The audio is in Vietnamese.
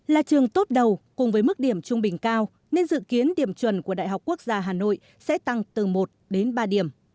là trường tốt đầu cùng với mức điểm trung bình cao nên dự kiến điểm chuẩn của đại học quốc gia hà nội sẽ tăng từ một đến ba điểm